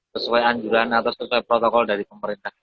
sesuai anjuran atau sesuai protokol dari pemerintah